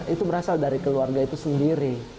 itu berasal dari keluarga itu sendiri